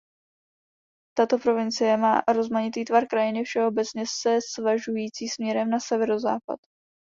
Tato provincie má rozmanitý tvar krajiny všeobecně se svažující směrem na severozápad.